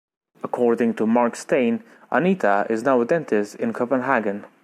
According to Mark Steyn, Anita is now a dentist in Copenhagen.